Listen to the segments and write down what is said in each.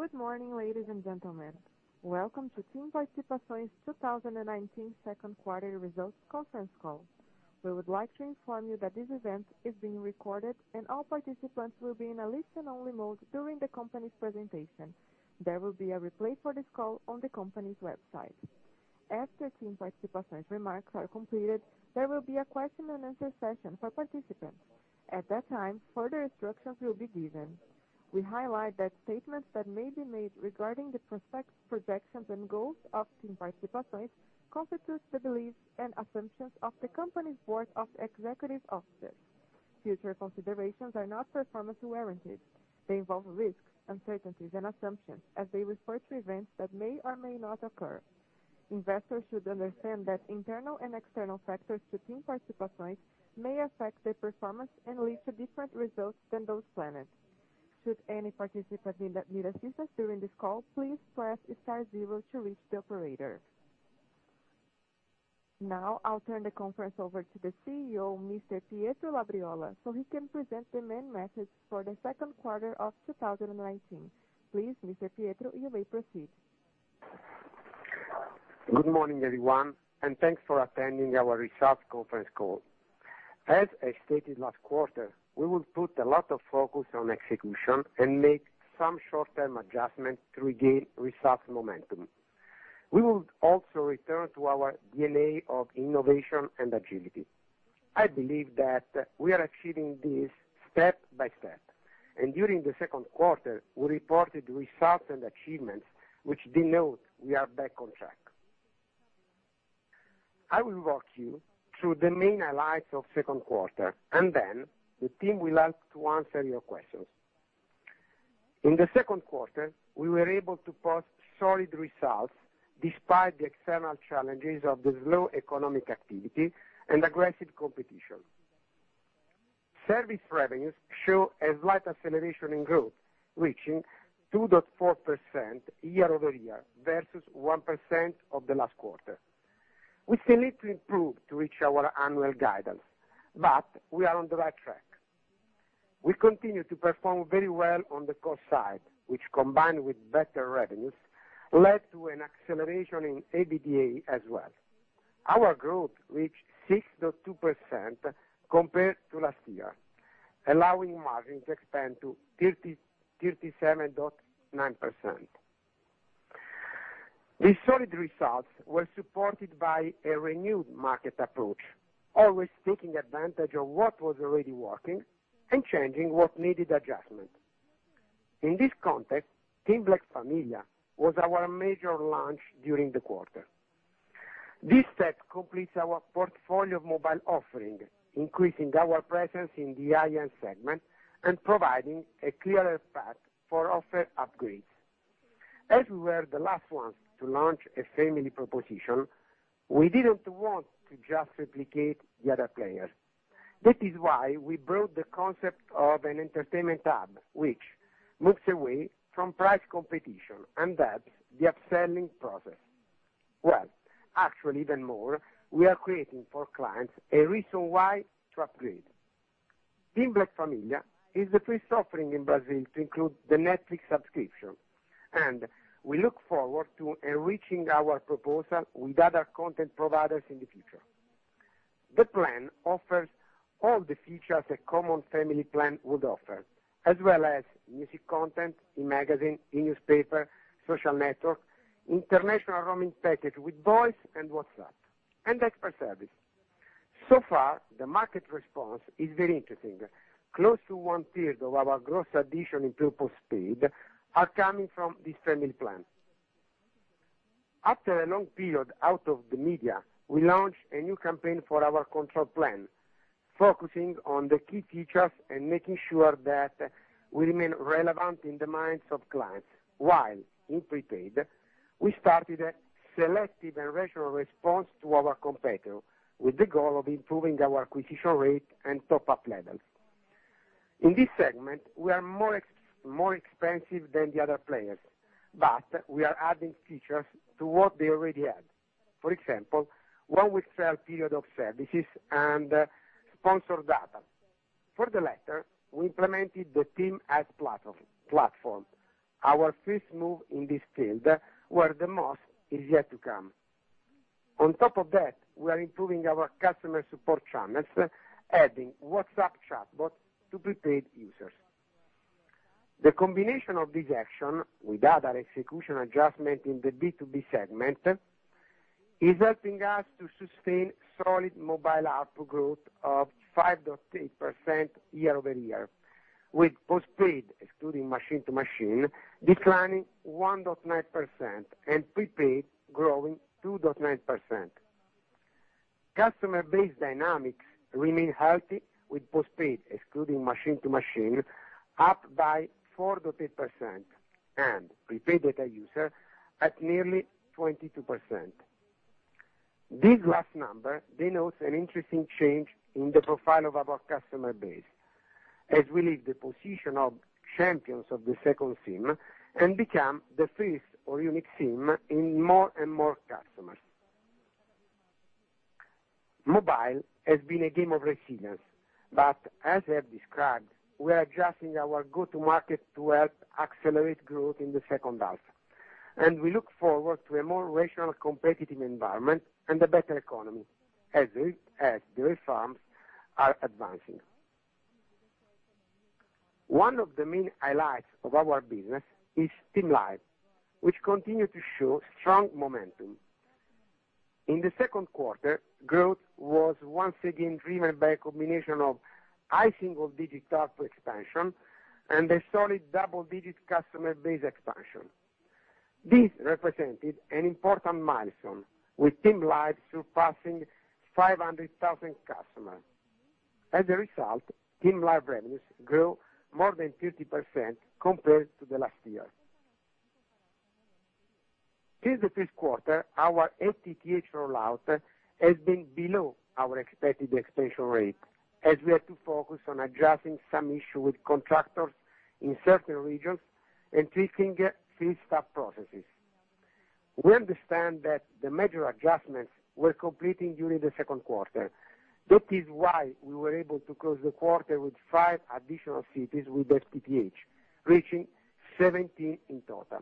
Good morning, ladies and gentlemen. Welcome to TIM Participações 2019 second quarter results conference call. We would like to inform you that this event is being recorded, and all participants will be in a listen-only mode during the company's presentation. There will be a replay for this call on the company's website. After TIM Participações remarks are completed, there will be a question and answer session for participants. At that time, further instructions will be given. We highlight that statements that may be made regarding the projections and goals of TIM Participações constitute the beliefs and assumptions of the company's board of executive officers. Future considerations are not performance warranties. They involve risks, uncertainties, and assumptions as they refer to events that may or may not occur. Investors should understand that internal and external factors to TIM Participações may affect their performance and lead to different results than those planned. Should any participant need assistance during this call, please press star zero to reach the operator. I'll turn the conference over to the CEO, Mr. Pietro Labriola, so he can present the main message for the second quarter of 2019. Please, Mr. Pietro, you may proceed. Good morning, everyone, thanks for attending our results conference call. As I stated last quarter, we will put a lot of focus on execution and make some short-term adjustments to regain results momentum. We will also return to our DNA of innovation and agility. I believe that we are achieving this step by step, and during the second quarter, we reported results and achievements which denote we are back on track. I will walk you through the main highlights of second quarter, and then the team will help to answer your questions. In the second quarter, we were able to post solid results despite the external challenges of the slow economic activity and aggressive competition. Service revenues show a slight acceleration in growth, reaching 2.4% year-over-year versus 1% of the last quarter. We still need to improve to reach our annual guidance, but we are on the right track. We continue to perform very well on the cost side, which combined with better revenues, led to an acceleration in EBITDA as well. Our growth reached 6.2% compared to last year, allowing margin to expand to 37.9%. These solid results were supported by a renewed market approach, always taking advantage of what was already working and changing what needed adjustment. In this context, TIM Black Família was our major launch during the quarter. This step completes our portfolio of mobile offering, increasing our presence in the high-end segment and providing a clearer path for offer upgrades. As we were the last ones to launch a family proposition, we didn't want to just replicate the other players. That is why we brought the concept of an entertainment tab, which moves away from price competition and helps the upselling process. Actually, even more, we are creating for clients a reason why to upgrade. TIM Black Família is the first offering in Brazil to include the Netflix subscription, and we look forward to enriching our proposal with other content providers in the future. The plan offers all the features a common family plan would offer, as well as music content, e-magazine, e-newspaper, social network, international roaming package with voice and WhatsApp, and expert service. The market response is very interesting. Close to one-third of our gross addition in total postpaid are coming from this family plan. After a long period out of the media, we launched a new campaign for our control plan, focusing on the key features and making sure that we remain relevant in the minds of clients, while in prepaid, we started a selective and rational response to our competitor with the goal of improving our acquisition rate and top-up levels. In this segment, we are more expensive than the other players, but we are adding features to what they already have. For example, one-week trial period of services and sponsored data. For the latter, we implemented the TIM Ads platform. Our first move in this field, where the most is yet to come. On top of that, we are improving our customer support channels, adding WhatsApp chatbot to prepaid users. The combination of this action with other execution adjustment in the B2B segment is helping us to sustain solid mobile ARPU growth of 5.8% year-over-year, with postpaid, excluding machine-to-machine, declining 1.9% and prepaid growing 2.9%. Customer base dynamics remain healthy with postpaid, excluding machine-to-machine, up by 4.8% and prepaid data user at nearly 22%. This last number denotes an interesting change in the profile of our customer base as we leave the position of champions of the second SIM and become the first or unique SIM in more and more customers. Mobile has been a game of resilience. As I have described, we are adjusting our go-to-market to help accelerate growth in the second half. We look forward to a more rational competitive environment and a better economy as reforms are advancing. One of the main highlights of our business is TIM Live, which continue to show strong momentum. In the second quarter, growth was once again driven by a combination of high single-digit ARPU expansion and a solid double-digit customer base expansion. This represented an important milestone, with TIM Live surpassing 500,000 customers. As a result, TIM Live revenues grew more than 50% compared to the last year. Since the first quarter, our FTTH rollout has been below our expected expansion rate, as we had to focus on addressing some issue with contractors in certain regions and tweaking field staff processes. We understand that the major adjustments were completing during the second quarter. That is why we were able to close the quarter with five additional cities with FTTH, reaching 17 in total.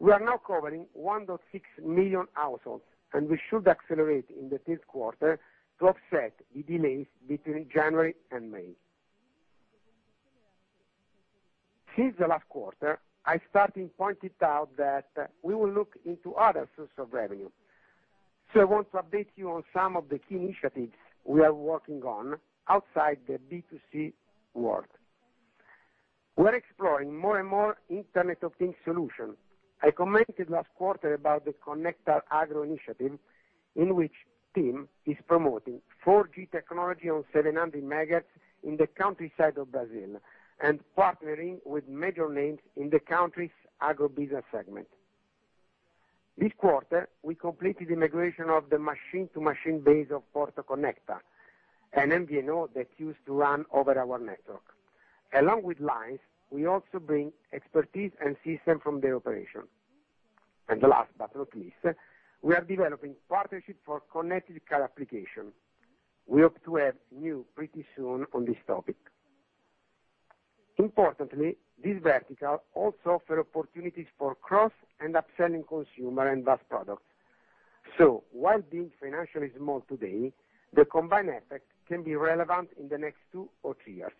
We are now covering 1.6 million households. We should accelerate in the third quarter to offset the delays between January and May. Since the last quarter, I started to point out that we will look into other sources of revenue. I want to update you on some of the key initiatives we are working on outside the B2C world. We're exploring more and more Internet of Things solution. I commented last quarter about the ConectarAGRO initiative, in which TIM is promoting 4G technology on 700 megahertz in the countryside of Brazil and partnering with major names in the country's agribusiness segment. This quarter, we completed the migration of the machine-to-machine base of Porto Conecta, an MVNO that used to run over our network. Along with lines, we also bring expertise and system from the operation. The last but not least, we are developing partnership for connected car application. We hope to have news pretty soon on this topic. Importantly, this vertical also offer opportunities for cross and upselling consumer and B2B products. While being financially small today, the combined effect can be relevant in the next two or three years.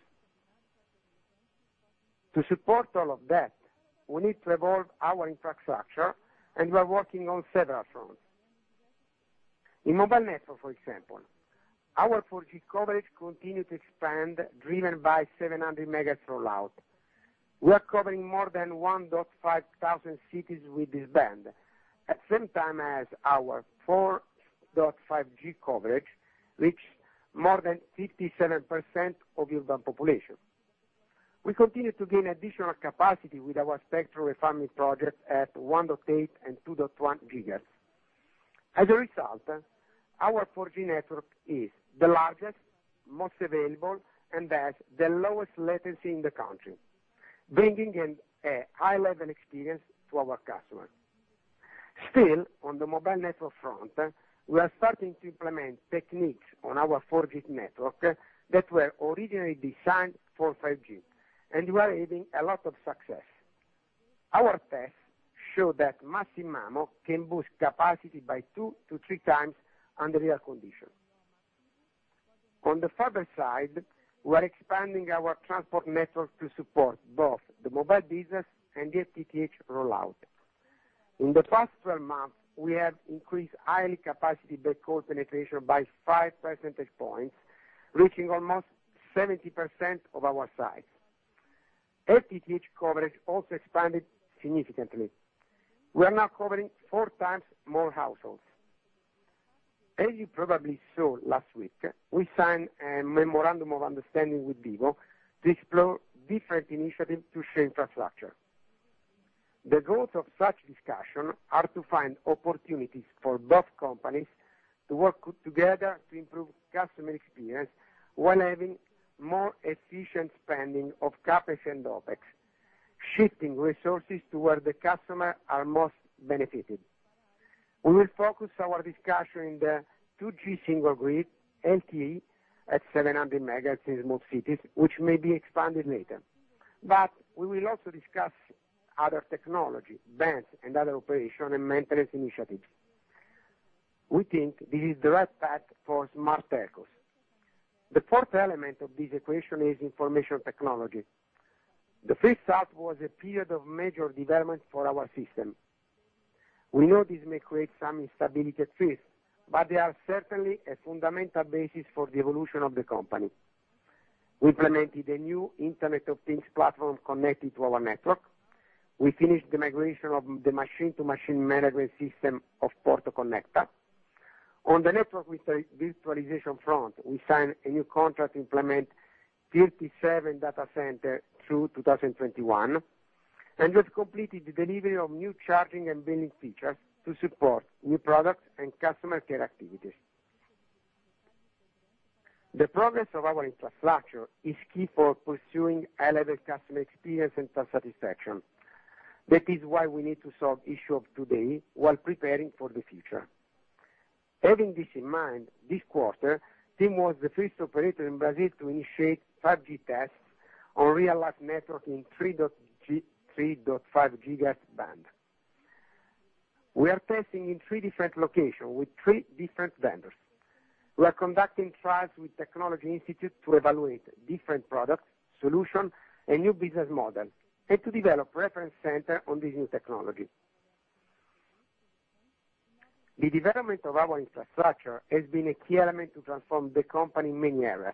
To support all of that, we need to evolve our infrastructure, and we are working on several fronts. In mobile network, for example, our 4G coverage continue to expand, driven by 700 megahertz rollout. We are covering more than 1,500 cities with this band, at the same time as our 4.5G coverage, which more than 57% of urban population. We continue to gain additional capacity with our spectral farming project at 1.8 and 2.1 gigahertz. As a result, our 4G network is the largest, most available, and has the lowest latency in the country, bringing a high-level experience to our customers. Still, on the mobile network front, we are starting to implement techniques on our 4G network that were originally designed for 5G, and we are having a lot of success. Our tests show that Massive MIMO can boost capacity by two to three times under real conditions. On the fiber side, we are expanding our transport network to support both the mobile business and the FTTH rollout. In the past 12 months, we have increased high-capacity backhaul penetration by 5 percentage points, reaching almost 70% of our sites. FTTH coverage also expanded significantly. We are now covering four times more households. As you probably saw last week, we signed a memorandum of understanding with Vivo to explore different initiatives to share infrastructure. The goals of such discussion are to find opportunities for both companies to work together to improve customer experience while having more efficient spending of CapEx and OpEx, shifting resources to where the customer are most benefited. We will focus our discussion in the 2G single grid, LTE at 700 megahertz in most cities, which may be expanded later. We will also discuss other technology, bands in other operation and maintenance initiatives. We think this is the right path for smart telcos. The fourth element of this equation is information technology. The first half was a period of major development for our system. We know this may create some instability at first, but they are certainly a fundamental basis for the evolution of the company. We implemented a new Internet of Things platform connected to our network. We finished the migration of the machine-to-machine management system of Porto Seguro Conecta. On the network virtualization front, we signed a new contract to implement 57 data centers through 2021, and we have completed the delivery of new charging and billing features to support new products and customer care activities. The progress of our infrastructure is key for pursuing high-level customer experience and self-satisfaction. That is why we need to solve issue of today while preparing for the future. Having this in mind, this quarter, TIM was the first operator in Brazil to initiate 5G tests on real life network in 3.5 gigahertz band. We are testing in three different locations with three different vendors. We are conducting trials with technology institute to evaluate different products, solutions, and new business models, and to develop reference center on this new technology. The development of our infrastructure has been a key element to transform the company in many areas.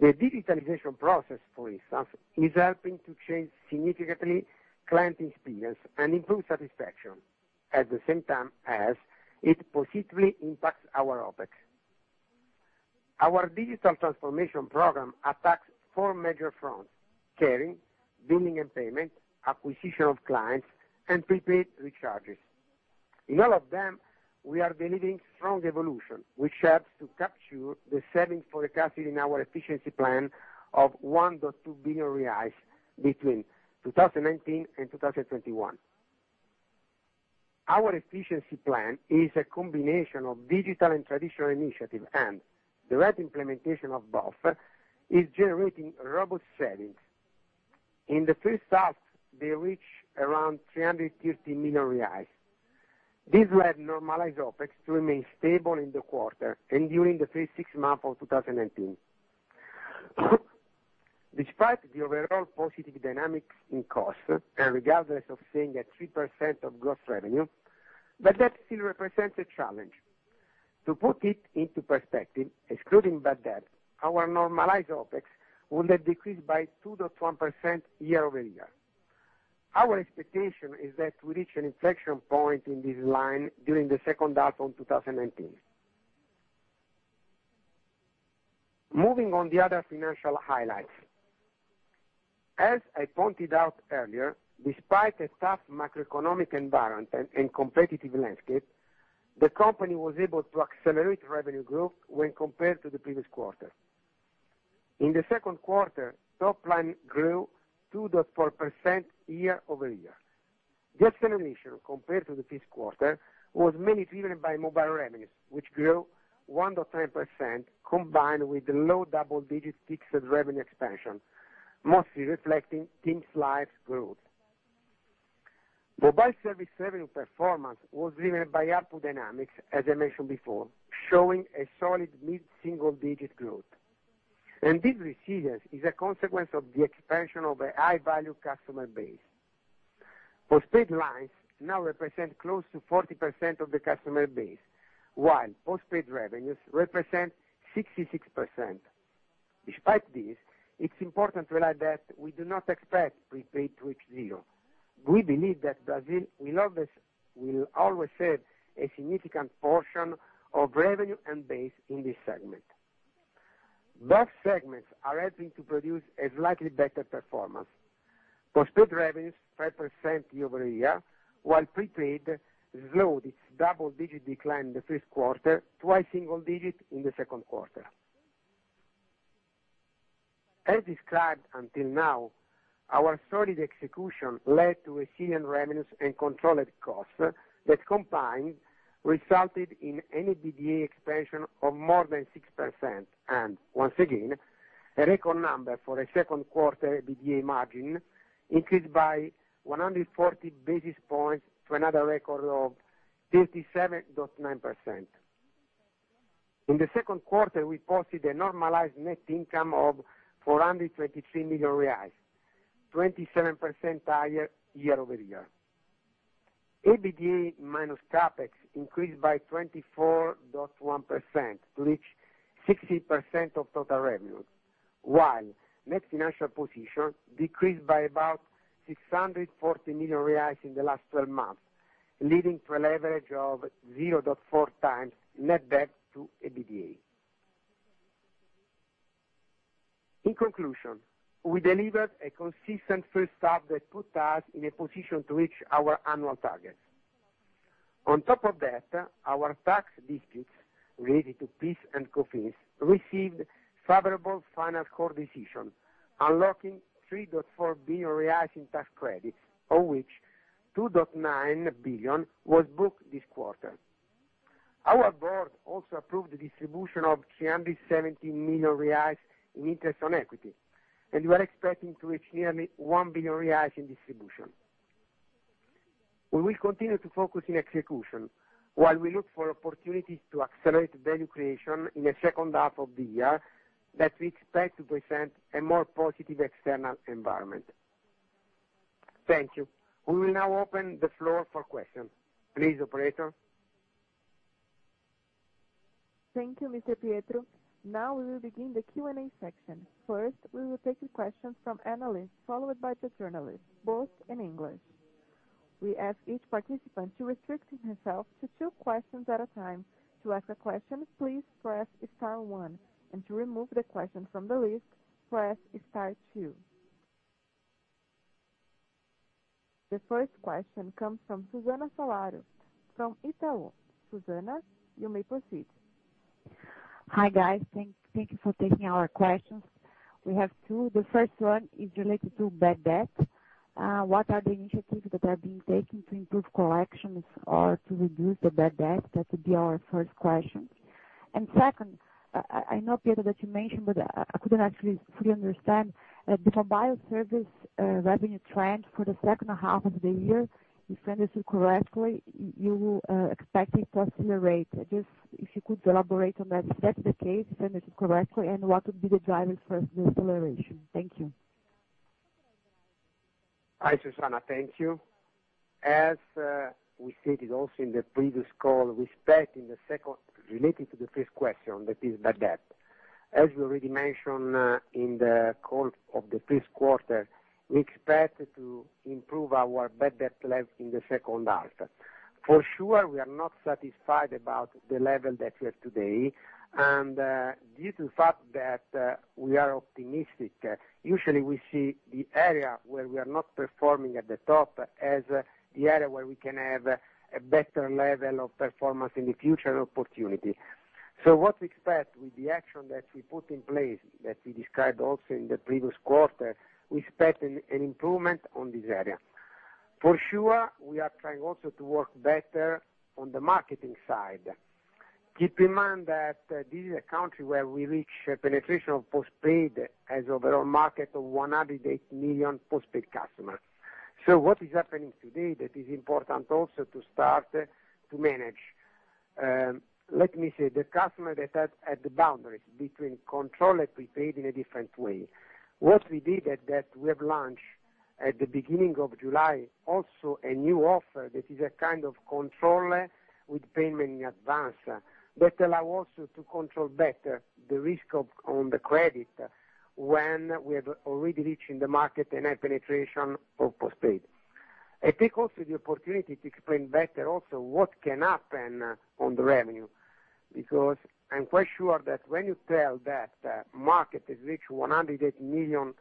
The digitalization process, for instance, is helping to change significantly client experience and improve satisfaction at the same time as it positively impacts our OpEx. Our digital transformation program attacks four major fronts: carrying, billing and payment, acquisition of clients, and prepaid recharges. In all of them, we are delivering strong evolution, which helps to capture the savings forecasted in our efficiency plan of 1.2 billion reais between 2019 and 2021. The right implementation of both is generating robust savings. In the first half, they reach around 350 million reais. This led normalized OpEx to remain stable in the quarter and during the first six months of 2019. Despite the overall positive dynamics in cost and regardless of staying at 3% of gross revenue, bad debt still represents a challenge. To put it into perspective, excluding bad debt, our normalized OpEx would have decreased by 2.1% year-over-year. Our expectation is that we reach an inflection point in this line during the second half of 2019. Moving on the other financial highlights. As I pointed out earlier, despite a tough macroeconomic environment and competitive landscape, the company was able to accelerate revenue growth when compared to the previous quarter. In the second quarter, top line grew 2.4% year-over-year. The acceleration compared to the first quarter was mainly driven by mobile revenues, which grew 1.3% combined with the low double-digit fixed revenue expansion, mostly reflecting TIM Live growth. Mobile service revenue performance was driven by ARPU dynamics, as I mentioned before, showing a solid mid-single digit growth. This resilience is a consequence of the expansion of a high-value customer base. Postpaid lines now represent close to 40% of the customer base, while postpaid revenues represent 66%. Despite this, it's important to realize that we do not expect prepaid to reach zero. We believe that Brazil will always have a significant portion of revenue and base in this segment. Both segments are helping to produce a slightly better performance. Postpaid revenues 5% year-over-year, while prepaid slowed its double-digit decline in the first quarter to a single digit in the second quarter. As described until now, our solid execution led to resilient revenues and controlled costs that combined resulted in an EBITDA expansion of more than 6%. Once again, a record number for a second quarter EBITDA margin increased by 140 basis points to another record of 37.9%. In the second quarter, we posted a normalized net income of 423 million reais, 27% higher year-over-year. EBITDA minus CapEx increased by 24.1% to reach 60% of total revenue, while net financial position decreased by about 640 million reais in the last 12 months, leading to a leverage of 0.4 times net debt to EBITDA. In conclusion, we delivered a consistent first half that put us in a position to reach our annual targets. On top of that, our tax disputes related to PIS and COFINS received favorable final court decision, unlocking 3.4 billion reais in tax credits, of which 2.9 billion was booked this quarter. Our board also approved the distribution of 317 million reais in interest on equity, and we are expecting to reach nearly 1 billion reais in distribution. We will continue to focus in execution while we look for opportunities to accelerate value creation in the second half of the year that we expect to present a more positive external environment. Thank you. We will now open the floor for questions. Please, operator. Thank you, Mr. Pietro. Now we will begin the Q&A section. First, we will take questions from analysts, followed by the journalists, both in English. We ask each participant to restrict himself to two questions at a time. To ask a question, please press star one, and to remove the question from the list, press star two. The first question comes from Susana Salaru from Itaú. Susana, you may proceed. Hi guys. Thank you for taking our questions. We have two. The first one is related to bad debt. What are the initiatives that are being taken to improve collections or to reduce the bad debt? That would be our first question. Second, I know, Pietro, that you mentioned, but I couldn't actually fully understand the mobile service revenue trend for the second half of the year. If I understood correctly, you expect it to accelerate. I guess, if you could elaborate on that, if that's the case, if I understood correctly, and what would be the drivers for the acceleration? Thank you. Hi, Susana. Thank you. As we stated also in the previous call, we expect related to the first question, that is bad debt. As we already mentioned in the call of the first quarter, we expect to improve our bad debt level in the second half. For sure, we are not satisfied about the level that we have today, and due to the fact that we are optimistic, usually we see the area where we are not performing at the top as the area where we can have a better level of performance in the future and opportunity. What we expect with the action that we put in place, that we described also in the previous quarter, we expect an improvement on this area. For sure, we are trying also to work better on the marketing side. Keep in mind that this is a country where we reach a penetration of postpaid as overall market of 108 million postpaid customers. What is happening today that is important also to start to manage. Let me say, the customer that has the boundary between control and prepaid in a different way. What we did at that, we have launched at the beginning of July, also a new offer that is a kind of controller with payment in advance that allow also to control better the risk on the credit when we have already reached in the market a net penetration of postpaid. I take also the opportunity to explain better also what can happen on the revenue. I'm quite sure that when you tell that market has reached 108 million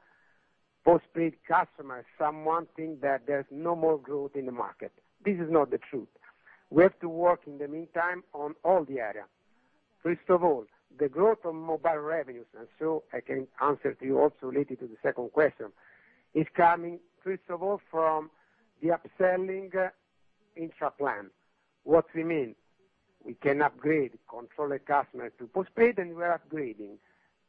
postpaid customers, someone think that there's no more growth in the market. This is not the truth. We have to work in the meantime on all the areas. First of all, the growth of mobile revenues, and so I can answer to you also related to the second question, is coming first of all from the upselling intra-plan. What we mean, we can upgrade controller customer to postpaid, and we are upgrading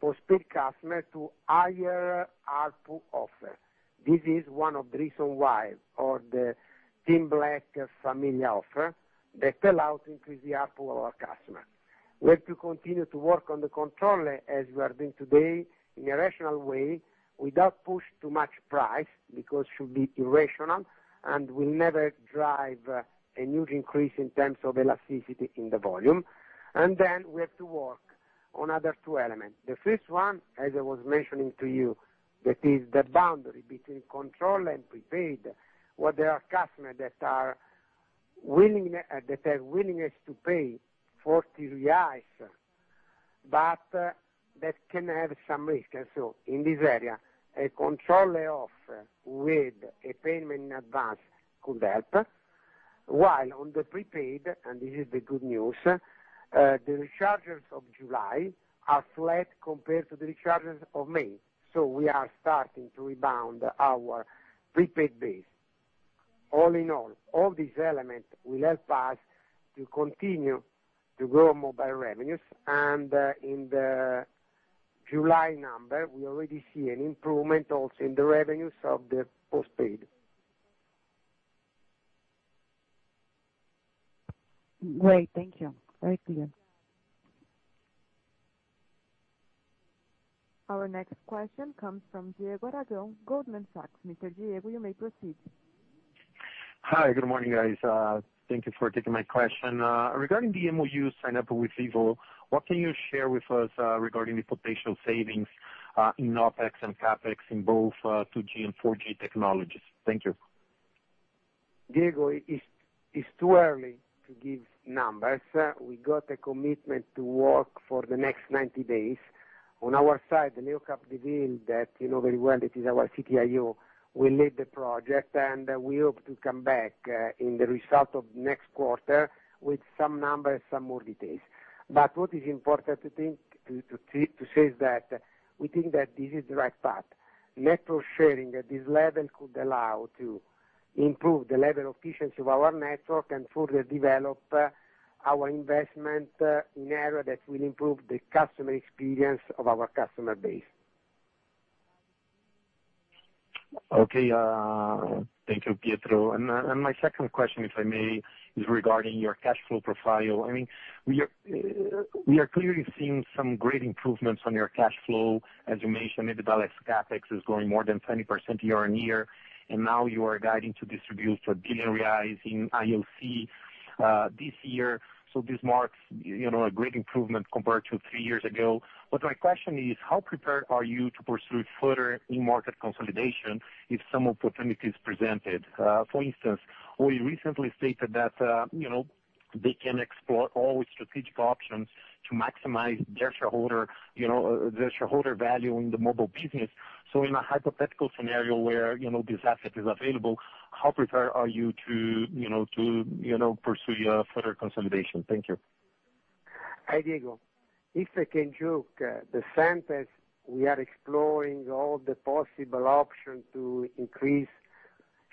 postpaid customer to higher ARPU offer. This is one of the reason why or the TIM Black Família offer that allow to increase the ARPU of our customer. We have to continue to work on the controller as we are doing today in a rational way without push too much price because should be irrational and will never drive a huge increase in terms of elasticity in the volume. We have to work on other two elements. The first one, as I was mentioning to you, that is the boundary between control and prepaid, where there are customers that have willingness to pay 40 reais, but that can have some risk. In this area, a control offer with a payment in advance could help. While on the prepaid, and this is the good news, the recharges of July are flat compared to the recharges of May. We are starting to rebound our prepaid base. All in all these elements will help us to continue to grow mobile revenues. In the July number, we already see an improvement also in the revenues of the postpaid. Great. Thank you. Very clear. Our next question comes from Diego Aragão, Goldman Sachs. Mr. Diego, you may proceed. Hi. Good morning, guys. Thank you for taking my question. Regarding the MOU sign up with Vivo, what can you share with us, regarding the potential savings, in OpEx and CapEx in both 2G and 4G technologies? Thank you. Diego, it's too early to give numbers. We got a commitment to work for the next 90 days. On our side, Leo Capdeville that you know very well, that is our CTIO, will lead the project, and we hope to come back in the result of next quarter with some numbers, some more details. What is important to say is that we think that this is the right path. Network sharing at this level could allow to improve the level of efficiency of our network and further develop our investment in area that will improve the customer experience of our customer base. Okay. Thank you, Pietro. My second question, if I may, is regarding your cash flow profile. We are clearly seeing some great improvements on your cash flow. As you mentioned, the balanced CapEx is growing more than 20% year-on-year, and now you are guiding to distribute 1 billion reais in IoC this year. This marks a great improvement compared to three years ago. My question is, how prepared are you to pursue further in market consolidation if some opportunity is presented? For instance, Oi recently stated that they can explore all strategic options to maximize their shareholder value in the mobile business. In a hypothetical scenario where this asset is available, how prepared are you to pursue a further consolidation? Thank you. Hi, Diego. If I can joke, the sentence, we are exploring all the possible options to increase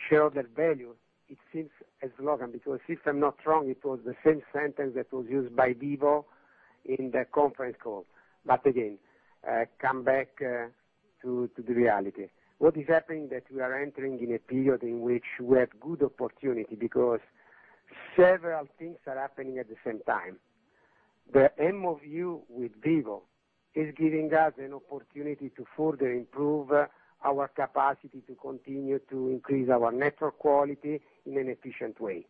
shareholder value, it seems a slogan, because if I'm not wrong, it was the same sentence that was used by Vivo in the conference call. Again, come back to the reality. What is happening is that we are entering in a period in which we have good opportunity because several things are happening at the same time. The MOU with Vivo is giving us an opportunity to further improve our capacity to continue to increase our network quality in an efficient way.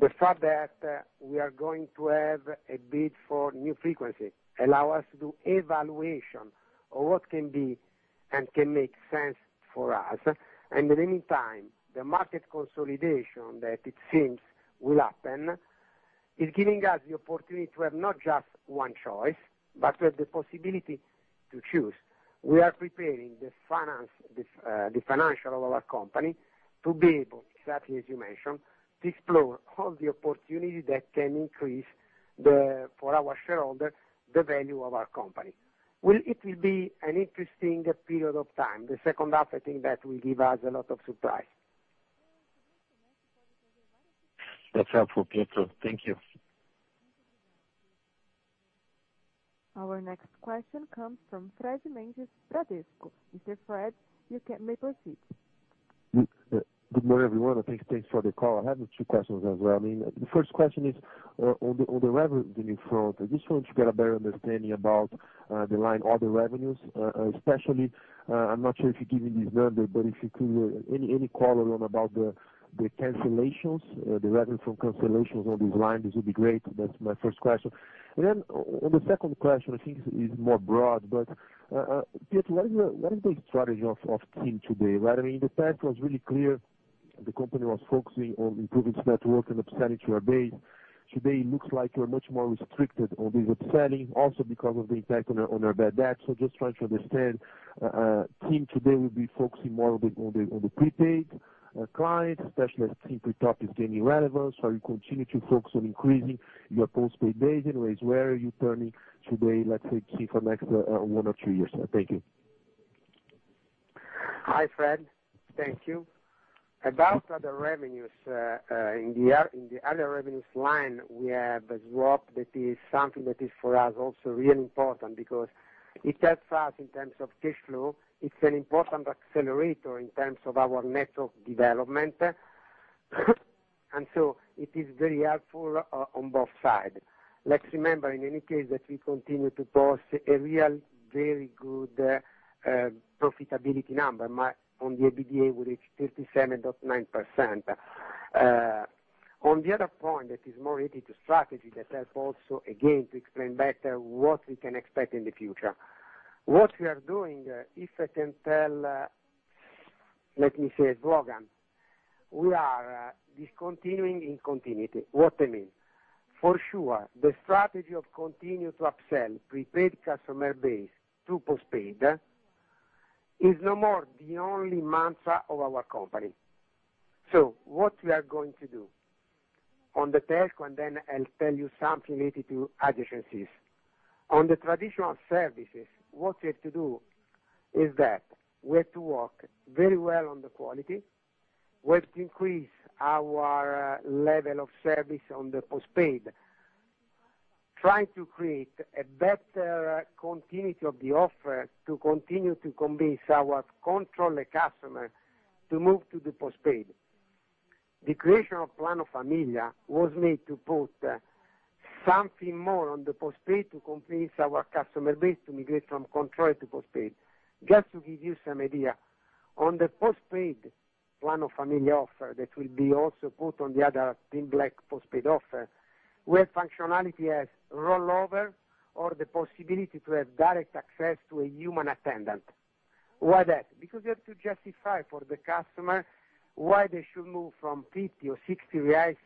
The fact that we are going to have a bid for new frequency allow us to do evaluation on what can be and can make sense for us. At any time, the market consolidation that it seems will happen, is giving us the opportunity to have not just one choice, but to have the possibility to choose. We are preparing the financial of our company to be able, exactly as you mentioned, to explore all the opportunities that can increase, for our shareholder, the value of our company. It will be an interesting period of time. The second half, I think that will give us a lot of surprise. That's helpful, Pietro. Thank you. Our next question comes from Fred Mendes, Bradesco. Mr. Fred, you may proceed. Good morning, everyone. Thanks for the call. I have two questions as well. The first question is on the revenue front. I just want to get a better understanding about the line, all the revenues, especially, I am not sure if you give me this number, but if you could, any color on about the cancellations, the revenue from cancellations on this line, this would be great. That is my first question. On the second question, I think is more broad, but Pietro, what is the strategy of TIM today? In the past, it was really clear the company was focusing on improving its network and upselling to our base. Today it looks like you are much more restricted on this upselling, also because of the impact on our bad debt. Just trying to understand, TIM today will be focusing more on the prepaid clients, especially as SIM pre-top is gaining relevance. Are you continuing to focus on increasing your postpaid base in ways? Where are you turning today, let's say, TIM for next one or two years? Thank you. Hi, Fred. Thank you. About other revenues, in the other revenues line, we have a drop that is something that is for us also really important because it helps us in terms of cash flow. It's an important accelerator in terms of our network development. It is very helpful on both sides. Let's remember, in any case, that we continue to post a real very good profitability number. On the EBITDA, we reached 37.9%. On the other point, that is more related to strategy that help also, again, to explain better what we can expect in the future. What we are doing, if I can tell, let me say a slogan. We are discontinuing in continuity. What I mean? For sure, the strategy of continue to upsell prepaid customer base to postpaid is no more the only mantra of our company. What we are going to do? On the telco, I'll tell you something related to adjacencies. On the traditional services, what we have to do is that we have to work very well on the quality. We have to increase our level of service on the postpaid, trying to create a better continuity of the offer to continue to convince our controlled customer to move to the postpaid. The creation of Plano Família was made to put something more on the postpaid to convince our customer base to migrate from control to postpaid. Just to give you some idea. On the postpaid Plano Família offer, that will be also put on the other TIM Black postpaid offer, we have functionality as rollover or the possibility to have direct access to a human attendant. Why that? We have to justify for the customer why they should move from 50 or 60 reais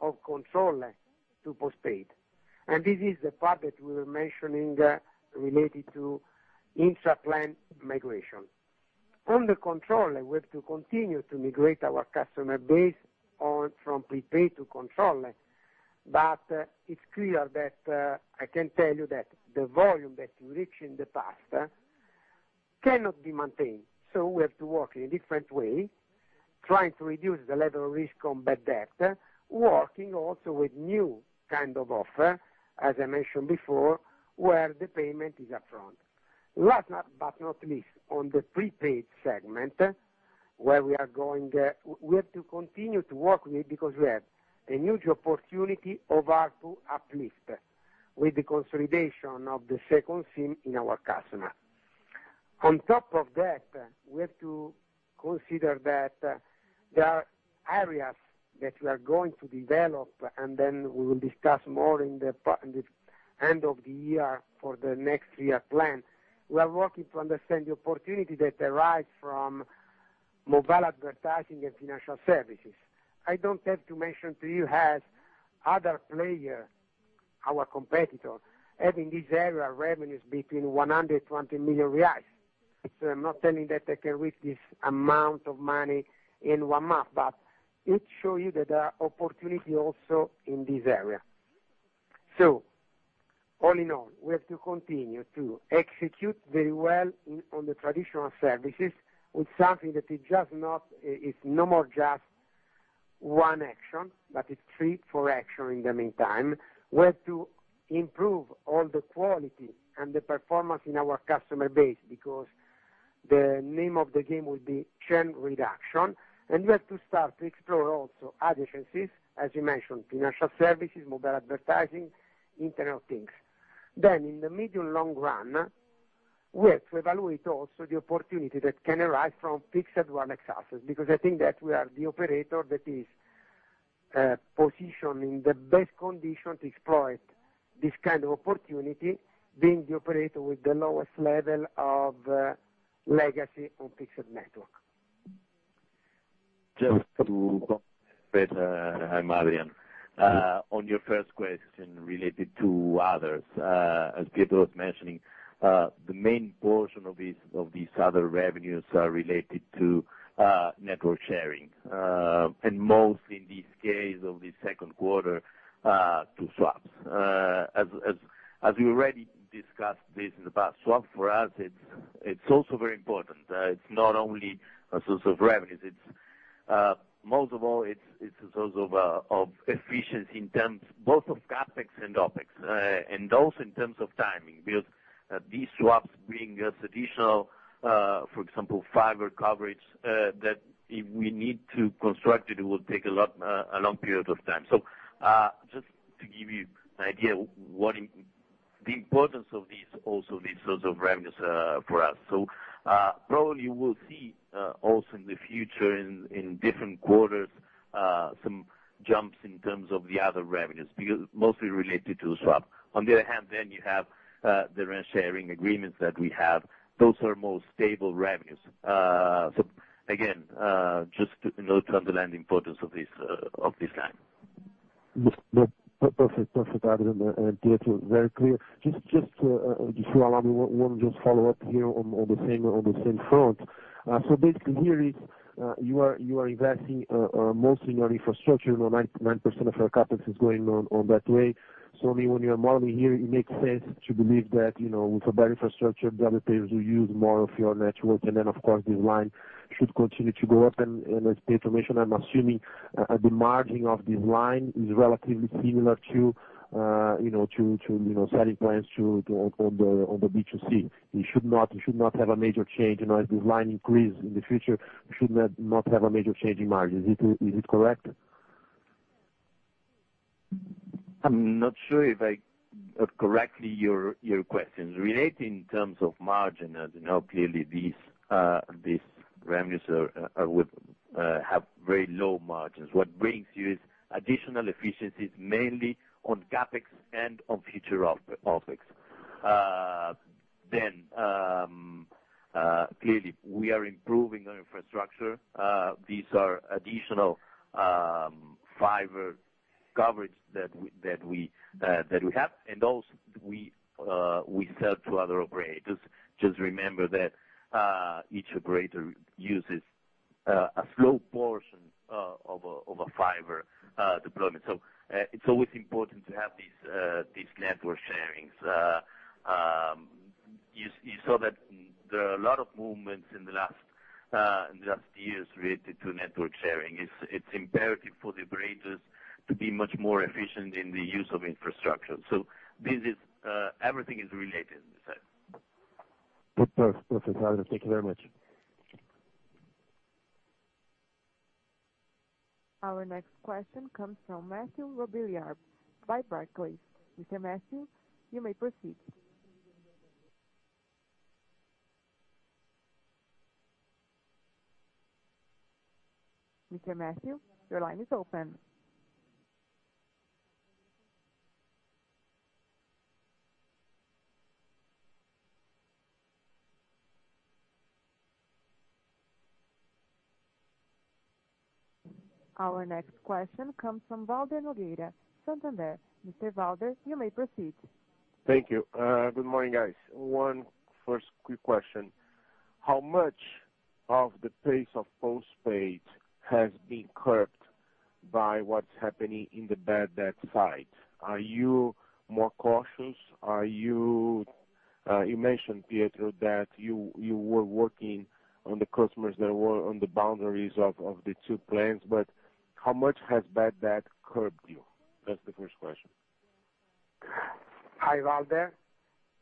of control to postpaid. This is the part that we were mentioning related to intra-plan migration. On the control, we have to continue to migrate our customer base from prepaid to control. It's clear that I can tell you that the volume that we reached in the past cannot be maintained. We have to work in a different way, trying to reduce the level of risk on bad debt, working also with new kind of offer, as I mentioned before, where the payment is up front. Last but not least, on the prepaid segment, where we have to continue to work with because we have a huge opportunity over to uplift with the consolidation of the second SIM in our customer. On top of that, we have to consider that there are areas that we are going to develop, and then we will discuss more in the end of the year for the next year plan. We are working to understand the opportunity that arise from mobile advertising and financial services. I don't have to mention to you as other player, our competitor, having this area revenues between 120 million reais. I'm not telling that I can reach this amount of money in one month, but it show you that there are opportunity also in this area. All in all, we have to continue to execute very well on the traditional services with something that is no more just one action, but it's three, four action in the meantime. We have to improve all the quality and the performance in our customer base, because the name of the game will be churn reduction, and we have to start to explore also adjacencies, as you mentioned, financial services, mobile advertising, Internet of Things. In the medium long run, we have to evaluate also the opportunity that can arise from fixed wireless access, because I think that we are the operator that is positioned in the best condition to exploit this kind of opportunity, being the operator with the lowest level of legacy on fixed network. Just to confirm. Hi, Adrian. On your first question related to others, as Pietro was mentioning, the main portion of these other revenues are related to network sharing, and mostly in this case of the second quarter, to swaps. As we already discussed this in the past, swap for us, it's also very important. It's not only a source of revenues. Most of all, it's a source of efficiency in terms both of CapEx and OpEx, and also in terms of timing, because these swaps bring us additional, for example, fiber coverage, that if we need to construct it will take a long period of time. Just to give you an idea, the importance of this also this source of revenues for us. Probably we'll see also in the future in different quarters some jumps in terms of the other revenues, mostly related to swap. On the other hand, you have the rent sharing agreements that we have. Those are more stable revenues. Again, just to underline the importance of this guide. Perfect, Adrian and Pietro. Very clear. Just if you allow me, I want to just follow up here on the same front. Basically here is, you are investing mostly on infrastructure, 99% of your CapEx is going on that way. When you are modeling here, it makes sense to believe that, with a better infrastructure, the other players will use more of your network, and then of course, this line should continue to go up. As the information, I'm assuming, at the margin of this line is relatively similar to selling plans on the B2C. It should not have a major change as this line increase in the future. It should not have a major change in margin. Is it correct? I'm not sure if I got correctly your question. Relating in terms of margin, as you know, clearly these revenues have very low margins. What brings you is additional efficiencies, mainly on CapEx and on future OpEx. Clearly we are improving on infrastructure. These are additional fiber coverage that we have, and those we sell to other operators. Just remember that each operator uses a small portion of a fiber deployment. It's always important to have these network sharing. You saw that there are a lot of movements in the last years related to network sharing. It's imperative for the operators to be much more efficient in the use of infrastructure. Everything is related. Perfect. Thanks, Adrian. Thank you very much. Our next question comes from Mathieu Robilliard by Barclays. Mr. Mathieu, you may proceed. Mr. Mathieu, your line is open. Our next question comes from Valder Nogueira, Santander. Mr. Valder, you may proceed. Thank you. Good morning, guys. One first quick question. How much of the pace of postpaid has been curbed by what's happening in the bad debt side? Are you more cautious? You mentioned, Pietro, that you were working on the customers that were on the boundaries of the two plans, but how much has bad debt curbed you? That's the first question. Hi, Valder.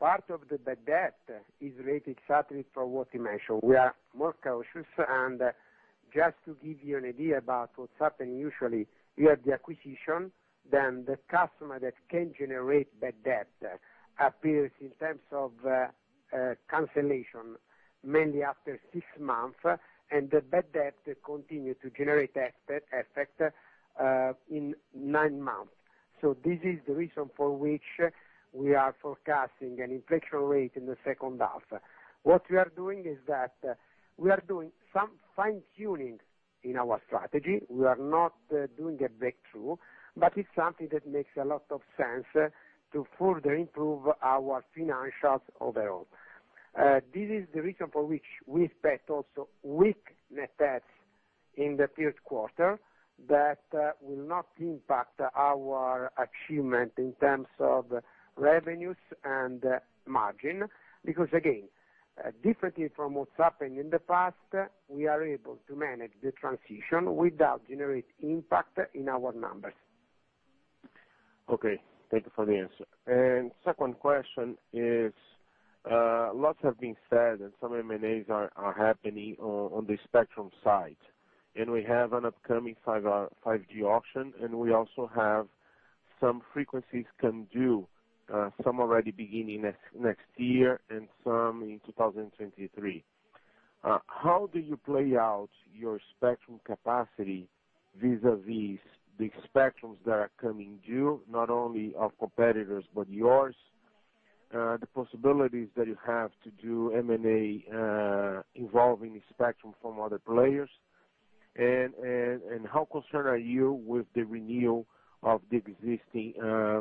Part of the bad debt is related exactly for what you mentioned. We are more cautious. Just to give you an idea about what's happening usually, you have the acquisition, then the customer that can generate bad debt appears in terms of cancellation, mainly after six months, and the bad debt continue to generate effect in nine months. This is the reason for which we are forecasting an inflection rate in the second half. What we are doing is that we are doing some fine-tuning in our strategy. We are not doing a breakthrough, but it's something that makes a lot of sense to further improve our financials overall. This is the reason for which we expect also weak net debts in the third quarter that will not impact our achievement in terms of revenues and margin. Again, differently from what's happened in the past, we are able to manage the transition without generating impact in our numbers. Okay. Thank you for the answer. Second question is, lots have been said, some M&As are happening on the spectrum side. We have an upcoming 5G auction, we also have some frequencies come due, some already beginning next year and some in 2023. How do you play out your spectrum capacity vis-a-vis the spectrums that are coming due, not only of competitors but yours, the possibilities that you have to do M&A involving the spectrum from other players? How concerned are you with the renewal of the existing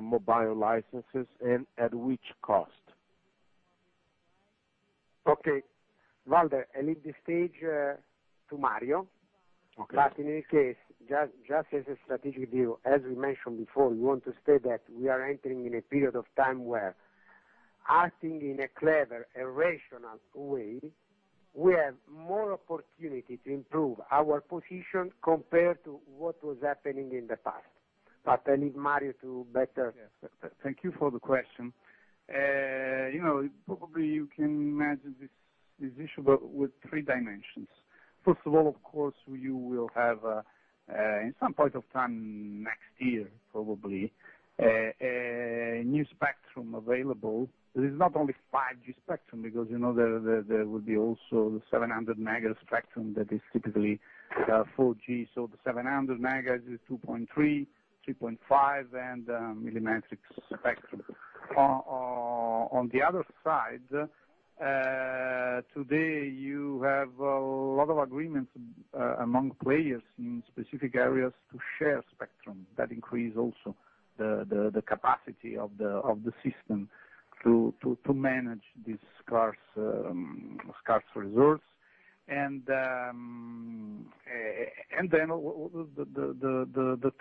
mobile licenses and at which cost? Okay. Valder, I leave the stage to Mario. Okay. In any case, just as a strategic view, as we mentioned before, we want to state that we are entering in a period of time where acting in a clever and rational way, we have more opportunity to improve our position compared to what was happening in the past. I leave Mario to better. Yes. Thank you for the question. Probably, you can imagine this issue, but with three dimensions. First of all, of course, you will have, in some point of time next year probably, a new spectrum available. This is not only 5G spectrum because there will be also the 700 megahertz spectrum that is typically 4G. The 700 megahertz is 2.3.5, and millimetric spectrum. On the other side, today you have a lot of agreements among players in specific areas to share spectrum that increase also the capacity of the system to manage these scarce resource. Then, the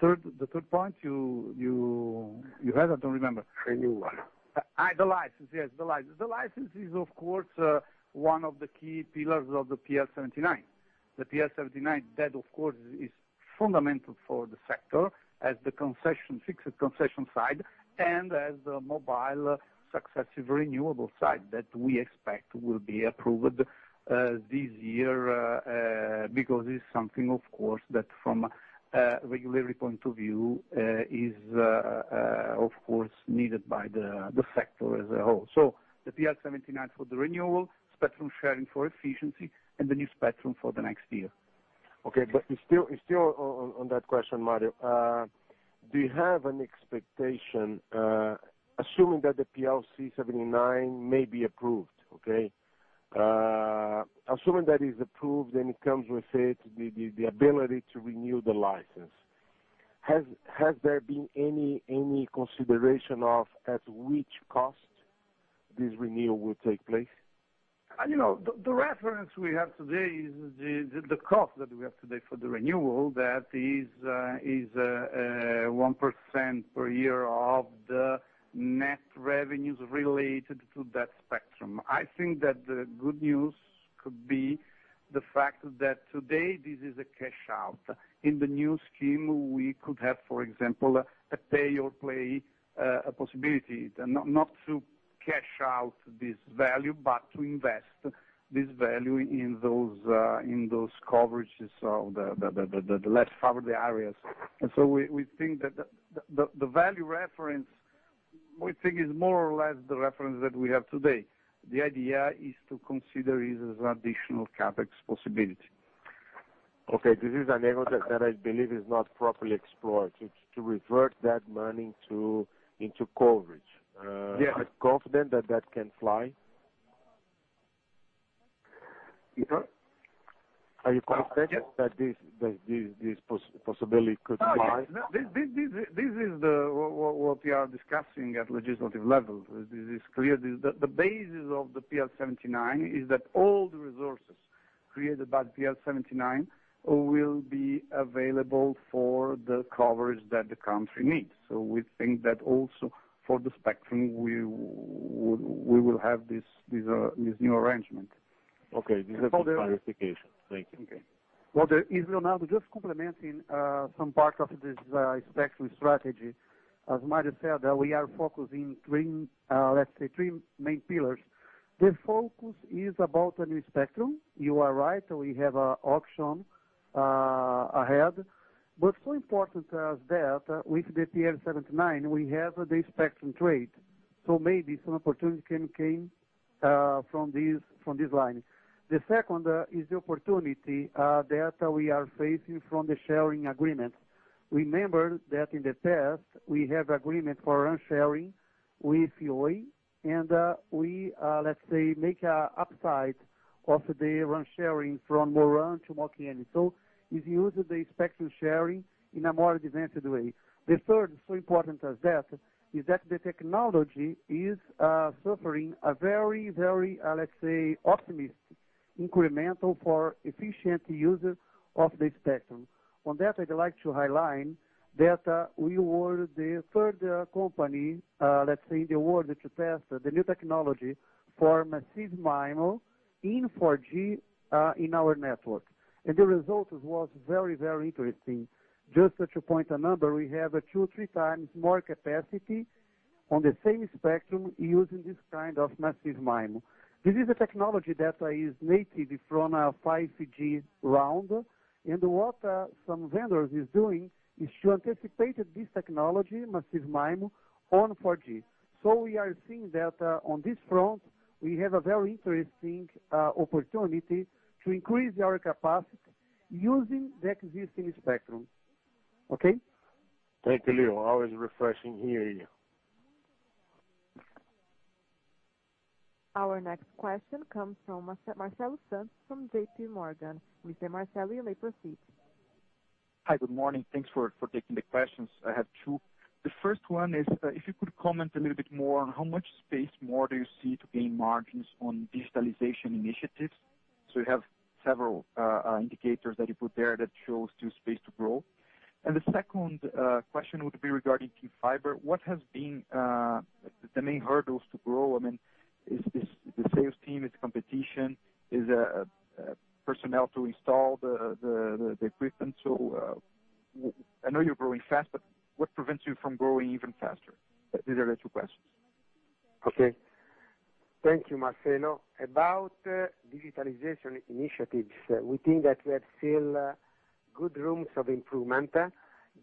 third point you had, I don't remember. Renewal. The license. Yes, the license. The license is, of course, one of the key pillars of the PLC 79. The PLC 79, that of course, is fundamental for the sector as the fixed concession side and as the mobile successive renewable side that we expect will be approved this year, because it's something, of course, that from a regulatory point of view is needed by the sector as a whole. The PLC 79 for the renewal, spectrum sharing for efficiency, and the new spectrum for the next year. Okay. Still on that question, Mario, do you have an expectation, assuming that the PLC 79 may be approved, okay? Assuming that is approved, it comes with it the ability to renew the license. Has there been any consideration of at which cost this renewal will take place? The reference we have today is the cost that we have today for the renewal that is 1% per year of the net revenues related to that spectrum. I think that the good news could be the fact that today, this is a cash out. In the new scheme, we could have, for example, a pay-or-play possibility, not to cash out this value, but to invest this value in those coverages of the less favored areas. We think that the value reference, we think is more or less the reference that we have today. The idea is to consider it as an additional CapEx possibility. Okay. This is an angle that I believe is not properly explored, to revert that money into coverage. Yes. Are you confident that that can fly? Pardon? Are you confident that this possibility could fly? Yes. This is what we are discussing at legislative level. This is clear. The basis of the PLC 79 is that all the resources created by PLC 79 will be available for the coverage that the country needs. We think that also for the spectrum, we will have this new arrangement. Okay. This was just clarification. Thank you. Okay. Valder, it's Leonardo. Just complementing some part of this spectrum strategy. As Mario said, we are focusing, let's say, three main pillars. The focus is about a new spectrum. You are right, we have an auction ahead. So important as that, with the PLC 79, we have the spectrum trade. Maybe some opportunity can come from this line. The second is the opportunity that we are facing from the sharing agreement. Remember that in the past, we have agreement for run sharing with Oi, and we, let's say, make an upside of the run sharing from more run to more clients. It's used the spectrum sharing in a more advanced way. The third, so important as that, is that the technology is suffering a very, let's say, optimistic incremental for efficient users of the spectrum. On that, I'd like to highlight that we were the third company, let's say, in the world to test the new technology for Massive MIMO in 4G in our network. The result was very interesting. Just to point a number, we have two, three times more capacity on the same spectrum using this kind of Massive MIMO. This is a technology that is native from a 5G round, and what some vendors are doing is to anticipate this technology, Massive MIMO, on 4G. We are seeing that on this front, we have a very interesting opportunity to increase our capacity using the existing spectrum. Okay. Thank you, Leo. Always refreshing hearing you. Our next question comes from Marcelo Santos from JPMorgan. Mr. Marcelo, you may proceed. Hi. Good morning. Thanks for taking the questions. I have two. The first one is if you could comment a little bit more on how much space more do you see to gain margins on digitalization initiatives? You have several indicators that you put there that shows two space to grow. The second question would be regarding TIM Fiber. What have been the main hurdles to grow? Is it the sales team? Is it competition? Is it personnel to install the equipment? I know you're growing fast, but what prevents you from growing even faster? These are the two questions. Thank you, Marcelo. About digitalization initiatives, we think that we have still good rooms of improvement.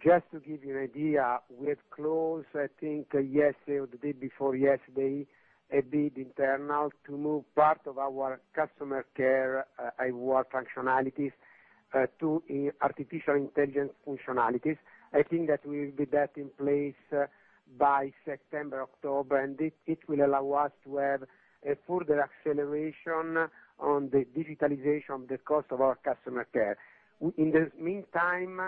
Just to give you an idea, we have closed, I think yesterday or the day before yesterday, a bid internal to move part of our customer care IVR functionalities to artificial intelligence functionalities. I think that we will be that in place by September, October, and it will allow us to have a further acceleration on the digitalization of the cost of our customer care. In the meantime,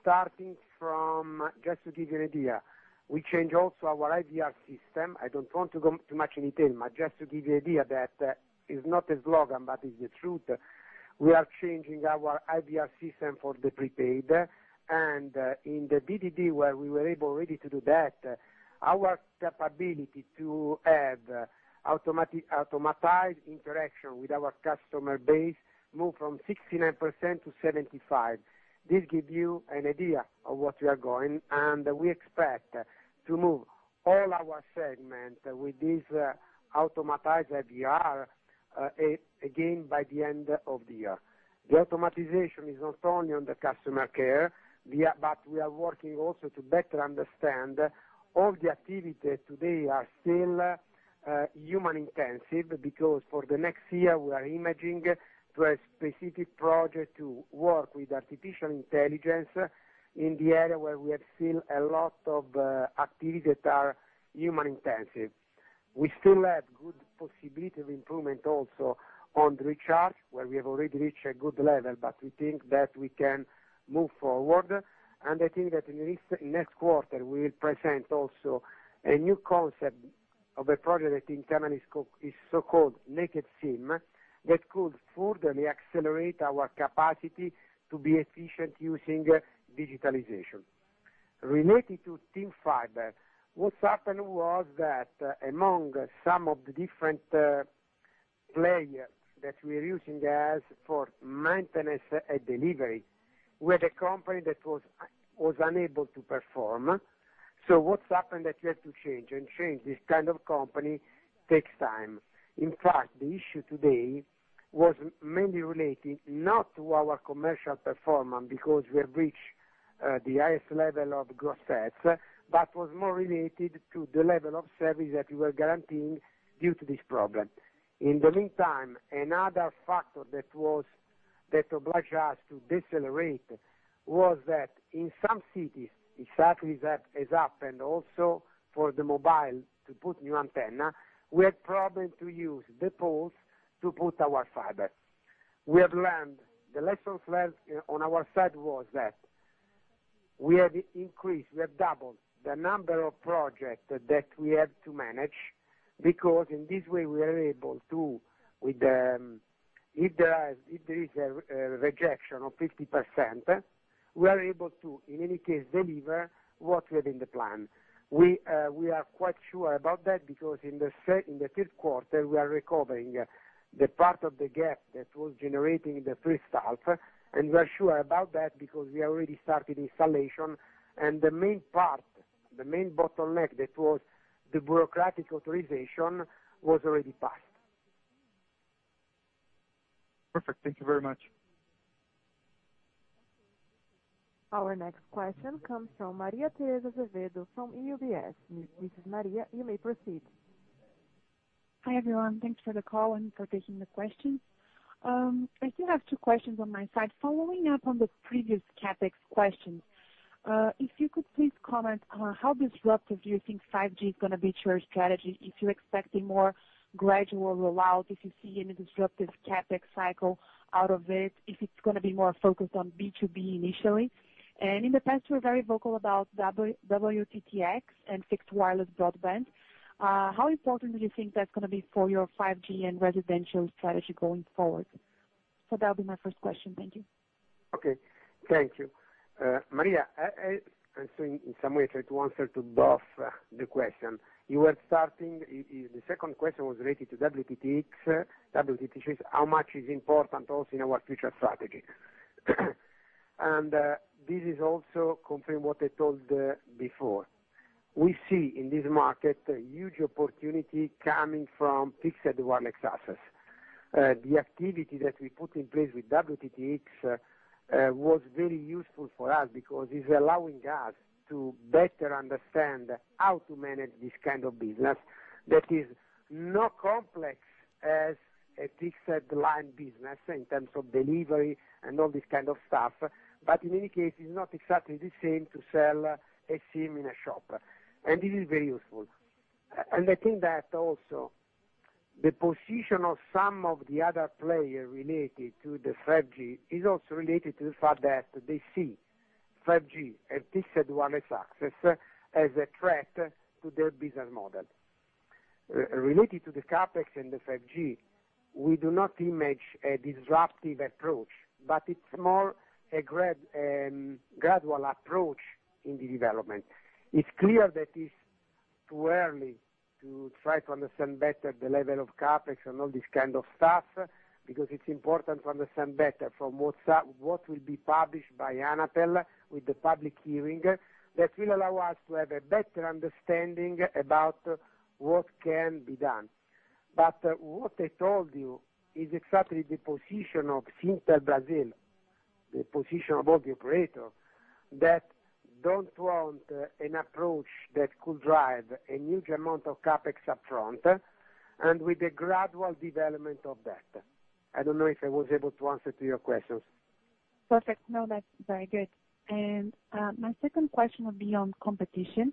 starting from, just to give you an idea, we change also our IVR system. I don't want to go too much in detail, but just to give you idea that is not a slogan, but is the truth. We are changing our IVR system for the prepaid. In the B2B, where we were able already to do that, our capability to have automatized interaction with our customer base moved from 69% to 75%. This gives you an idea of what we are going. We expect to move all our segment with this automatized IVR again by the end of the year. The automatization is not only on the customer care. We are working also to better understand all the activities today are still human intensive because for the next year, we are imagining to have specific project to work with artificial intelligence in the area where we have seen a lot of activities that are human intensive. We still have good possibility of improvement also on the recharge, where we have already reached a good level. We think that we can move forward. I think that in the next quarter, we will present also a new concept of a project in Germany, is so-called Naked SIM, that could further accelerate our capacity to be efficient using digitalization. Related to TIM Fiber, what happened was that among some of the different players that we're using as for maintenance and delivery, we had a company that was unable to perform. What's happened that we had to change, and change this kind of company takes time. In fact, the issue today was mainly related not to our commercial performance because we have reached the highest level of gross adds, but was more related to the level of service that we were guaranteeing due to this problem. In the meantime, another factor that obliged us to decelerate was that in some cities, exactly that has happened also for the mobile to put new antenna, we had problems to use the poles to put our fiber. The lessons learned on our side was that we have increased, we have doubled the number of projects that we have to manage because in this way, we are able to, if there is a rejection of 50%, we are able to, in any case, deliver what we have in the plan. We are quite sure about that because in the third quarter, we are recovering the part of the gap that was generating the first half, and we are sure about that because we already started installation, and the main part, the main bottleneck that was the bureaucratic authorization, was already passed. Perfect. Thank you very much. Our next question comes from Maria Tereza Azevedo from UBS. Mrs. Maria, you may proceed. Hi, everyone. Thanks for the call and for taking the questions. I still have two questions on my side. Following up on the previous CapEx question, if you could please comment on how disruptive do you think 5G is going to be to your strategy, if you're expecting more gradual rollout, if you see any disruptive CapEx cycle out of it, if it's going to be more focused on B2B initially? In the past, you were very vocal about WTTX and fixed wireless broadband. How important do you think that's going to be for your 5G and residential strategy going forward? That'll be my first question. Thank you. Okay. Thank you. Maria, I assume in some way try to answer both the question. The second question was related to WTTX. WTTX is how much is important also in our future strategy. This is also confirm what I told before. We see in this market a huge opportunity coming from fixed wireless access. The activity that we put in place with WTTX was very useful for us because it's allowing us to better understand how to manage this kind of business that is not complex as a fixed line business in terms of delivery and all this kind of stuff. In any case, it's not exactly the same to sell a SIM in a shop, and it is very useful. I think that also the position of some of the other players related to the 5G is also related to the fact that they see 5G as fixed wireless access as a threat to their business model. Related to the CapEx and the 5G, we do not image a disruptive approach, but it's more a gradual approach in the development. It's clear that it's too early to try to understand better the level of CapEx and all this kind of stuff, because it's important to understand better from what will be published by Anatel with the public hearing, that will allow us to have a better understanding about what can be done. What I told you is exactly the position of SindiTelebrasil, the position of all the operators, that don't want an approach that could drive a huge amount of CapEx up front and with the gradual development of data. I don't know if I was able to answer to your questions. Perfect. No, that's very good. My second question would be on competition.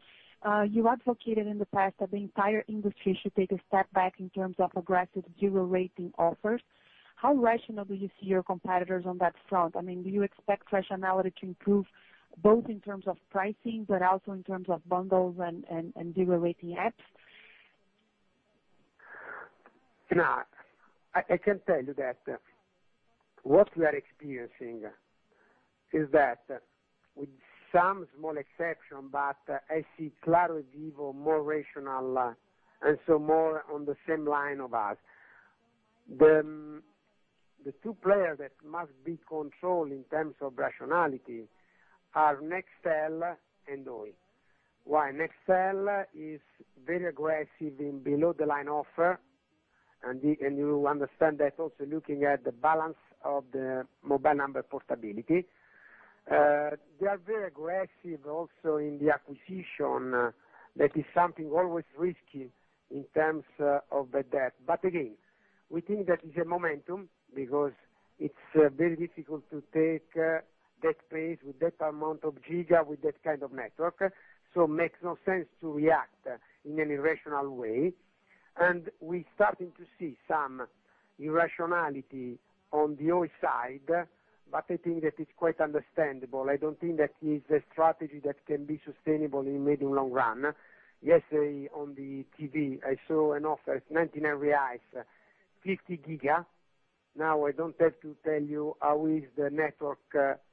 You advocated in the past that the entire industry should take a step back in terms of aggressive zero-rating offers. How rational do you see your competitors on that front? Do you expect rationality to improve both in terms of pricing, but also in terms of bundles and zero-rating apps? Now, I can tell you that what we are experiencing is that with some small exception, but I see Claro, Vivo, more rational, and so more on the same line of us. The two players that must be controlled in terms of rationality are Nextel and Oi. Why? Nextel is very aggressive in below the line offer, and you understand that also looking at the balance of the mobile number portability. They are very aggressive also in the acquisition. That is something always risky in terms of the debt. Again, we think that is a momentum because it's very difficult to take that place with that amount of giga with that kind of network. Makes no sense to react in an irrational way. We starting to see some irrationality on the Oi side, but I think that it's quite understandable. I don't think that is a strategy that can be sustainable in medium, long run. Yesterday on the TV, I saw an offer, it's 99 reais, 50 giga. I don't have to tell you how is the network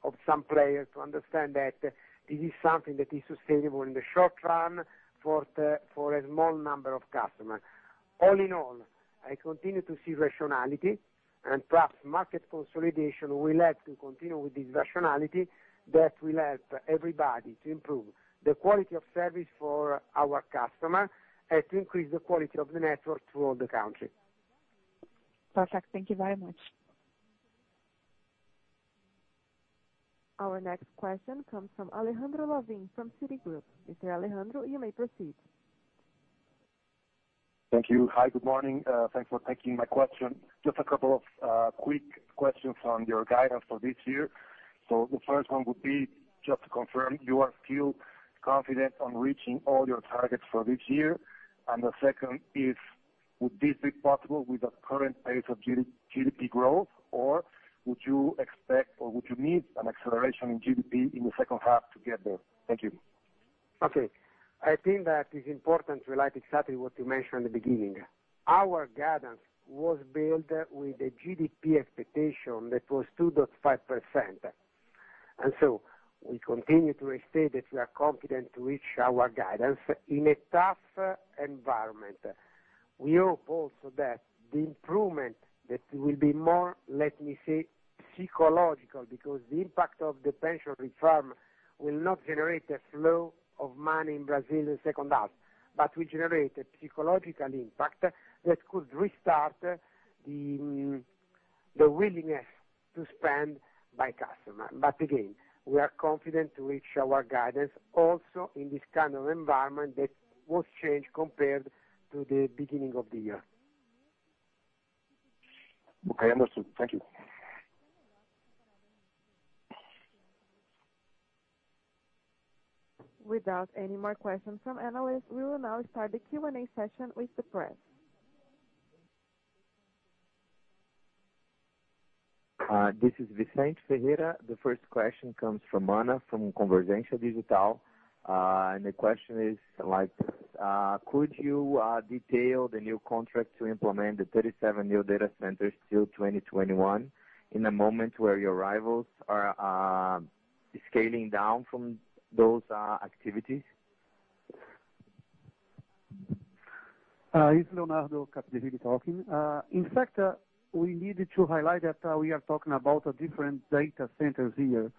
of some players to understand that this is something that is sustainable in the short run for a small number of customers. I continue to see rationality and perhaps market consolidation will help to continue with this rationality that will help everybody to improve the quality of service for our customer and to increase the quality of the network throughout the country. Perfect. Thank you very much. Our next question comes from Alejandro Lavin from Citigroup. Mr. Alejandro, you may proceed. Thank you. Hi, good morning. Thanks for taking my question. Just a couple of quick questions on your guidance for this year. The first one would be just to confirm you are still confident on reaching all your targets for this year, and the second is, would this be possible with the current pace of GDP growth, or would you expect, or would you need an acceleration in GDP in the second half to get there? Thank you. Okay. I think that is important to relate exactly what you mentioned in the beginning. Our guidance was built with a GDP expectation that was 2.5%. We continue to restate that we are confident to reach our guidance in a tough environment. We hope also that the improvement that will be more, let me say, psychological, because the impact of the pension reform will not generate a flow of money in Brazil in the second half. Will generate a psychological impact that could restart the willingness to spend by customer. Again, we are confident to reach our guidance also in this kind of environment that was changed compared to the beginning of the year. Okay, understood. Thank you. Without any more questions from analysts, we will now start the Q&A session with the press. This is Vicente Ferreira. The first question comes from Ana, from Convergência Digital. The question is like this, could you detail the new contract to implement the 37 new data centers till 2021 in a moment where your rivals are scaling down from those activities? It's Leonardo Capdeville talking. In fact, we needed to highlight that we are talking about different data centers here.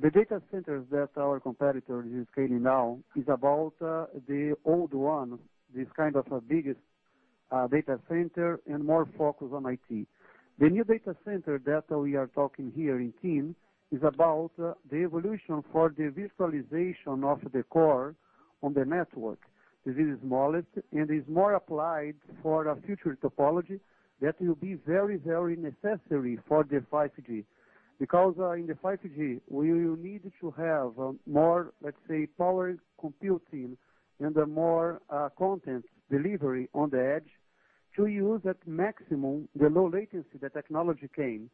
The data centers that our competitor is scaling now is about the old one, this kind of biggest data center and more focused on IT. The new data center that we are talking here in TIM is about the evolution for the virtualization of the core on the network. It is smaller and is more applied for a future topology that will be very necessary for the 5G. Because in the 5G, we will need to have more, let's say, power computing and more content delivery on the edge to use at maximum the low latency the technology came.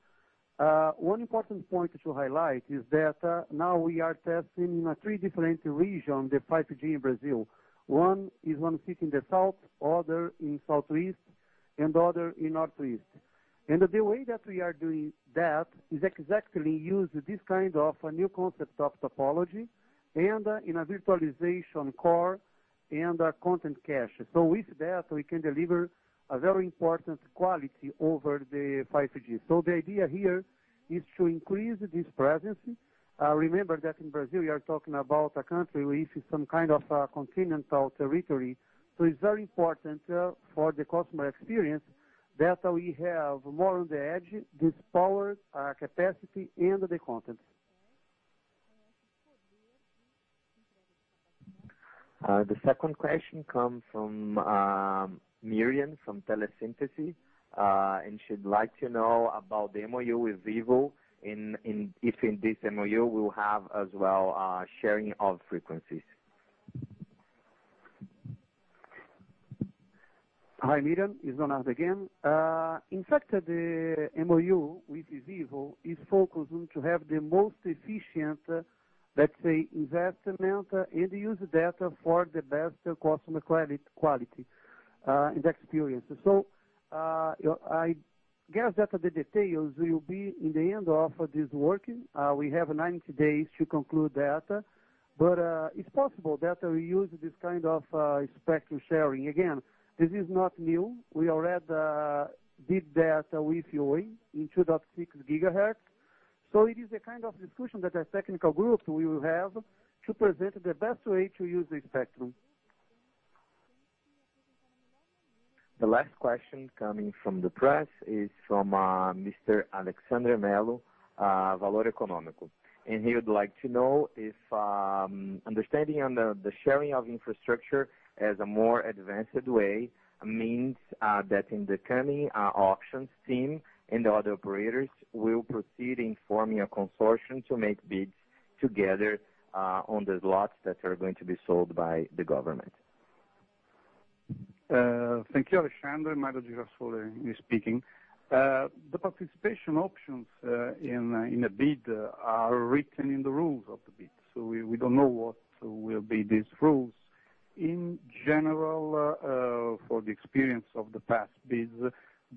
One important point to highlight is that now we are testing in a three different region, the 5G in Brazil. One is one fit in the south, other in southeast, and other in northeast. The way that we are doing that is exactly use this kind of a new concept of topology and in a virtualization core and a content cache. With that, we can deliver a very important quality over the 5G. The idea here is to increase this presence. Remember that in Brazil, we are talking about a country with some kind of a continental territory, so it's very important for the customer experience that we have more on the edge, this power, capacity, and the content. The second question comes from Miriam from TeleSíntese, and she'd like to know about the MOU with Vivo and if in this MOU we'll have as well sharing of frequencies. Hi, Miriam. It's Leonardo again. In fact, the MOU with Vivo is focused on to have the most efficient, let's say, investment and use data for the best customer quality and experience. I guess that the details will be in the end of this working. We have 90 days to conclude that. It's possible that we use this kind of spectrum sharing. Again, this is not new. We already did that with Oi in 2.6 gigahertz. It is a kind of discussion that a technical group will have to present the best way to use the spectrum. The last question coming from the press is from Mr. Alexandre Melo, Valor Econômico. He would like to know if understanding on the sharing of infrastructure as a more advanced way means that in the coming auctions TIM and the other operators will proceed in forming a consortium to make bids together on the slots that are going to be sold by the government. Thank you, Alexandre. Mario Girasole speaking. The participation options in a bid are written in the rules of the bid. We don't know what will be these rules. In general, for the experience of the past bids,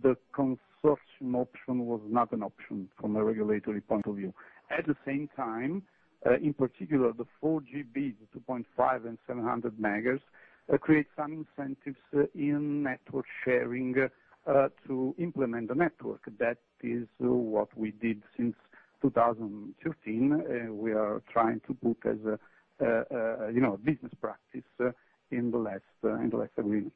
the consortium option was not an option from a regulatory point of view. At the same time, in particular, the 4G bids, the 2.5 and 700 megahertz, create some incentives in network sharing to implement the network. That is what we did since 2013. We are trying to put as a business practice in the last three years.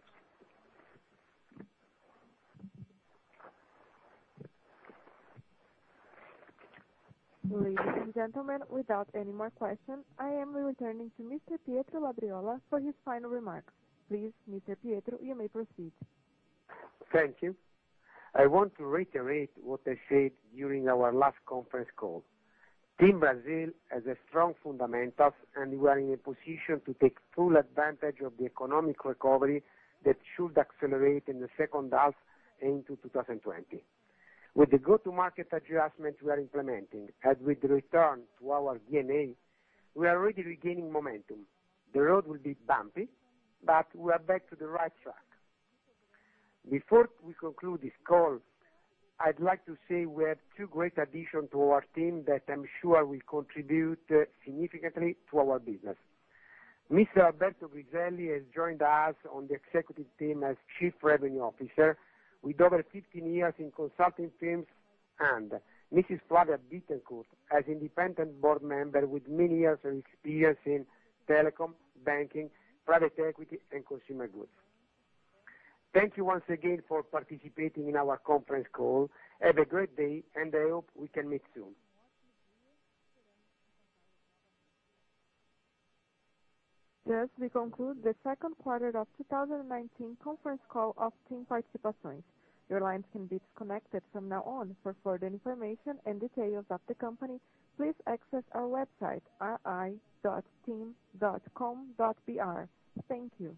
Ladies and gentlemen, without any more questions, I am returning to Mr. Pietro Labriola for his final remarks. Please, Mr. Pietro, you may proceed. Thank you. I want to reiterate what I said during our last conference call. TIM Brasil has strong fundamentals, and we are in a position to take full advantage of the economic recovery that should accelerate in the second half into 2020. With the go-to-market adjustment we are implementing, as we return to our DNA, we are already regaining momentum. The road will be bumpy, but we are back to the right track. Before we conclude this call, I'd like to say we have two great addition to our team that I'm sure will contribute significantly to our business. Mr. Alberto Griselli has joined us on the executive team as Chief Revenue Officer, with over 15 years in consulting firms. Mrs. Flavia Bittencourt as Independent Board Member with many years of experience in telecom, banking, private equity, and consumer goods. Thank you once again for participating in our conference call. Have a great day, and I hope we can meet soon. Thus, we conclude the second quarter of 2019 conference call of TIM Participações. Your lines can be disconnected from now on. For further information and details of the company, please access our website, ri.tim.com.br. Thank you.